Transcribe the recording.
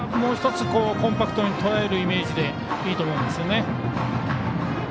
もう１つコンパクトにとらえるイメージでいいと思うんですよね。